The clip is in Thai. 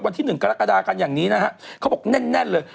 วันที่๑กรกฎากันอย่างนี้นะครับเขาบอกแน่นเลย